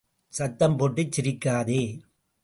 சத்தம் போட்டு சிரிக்காதே!